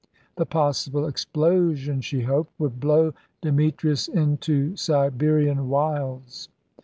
The possible explosion, she hoped, would blow Demetrius into Siberian wilds.